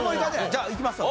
じゃあいきますわ。